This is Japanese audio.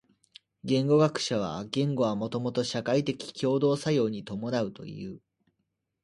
言語学者は言語はもと社会的共同作用に伴うという。